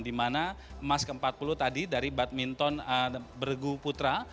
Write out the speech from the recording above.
di mana emas ke empat puluh tadi dari badminton bergu putra